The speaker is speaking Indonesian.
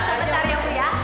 sebentar ya bu ya